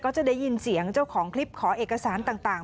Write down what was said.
จะได้ยินเสียงเจ้าของคลิปขอเอกสารต่าง